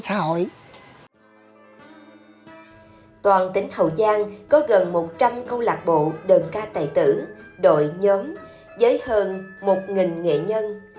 toàn tỉnh hậu giang có gần một trăm linh câu lạc bộ đơn ca tài tử đội nhóm với hơn một nghệ nhân